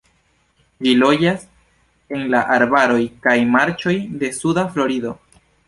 Ĝi loĝas en la arbaroj kaj marĉoj de suda Florido.